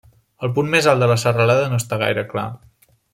El punt més alt de la serralada no està gaire clar.